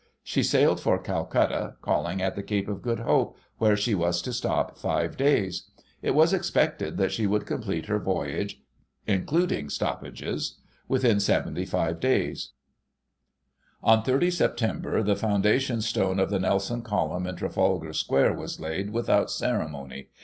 She sailed for Calcutta, calling at the Cape of Good Hope, where she was to stop five days. It was ex pected that she would complete her voyage, including stop pages, within 75 days. On 30 Sep. the foundation stone of the Nelson Column in Trafalgar Square was laid, without ceremony.